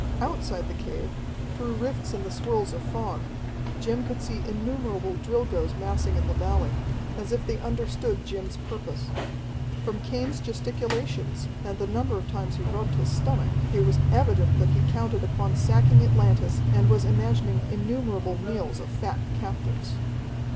Outside the cave, through rifts in the swirls of fog, Jim could see innumerable Drilgoes massing in the valley, as if they understood Jim's purpose. From Cain's gesticulations, and the number of times he rubbed his stomach, it was evident that he counted upon sacking Atlantis and was imagining innumerable meals of fat captives.